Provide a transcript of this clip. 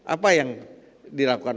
apa yang dilakukan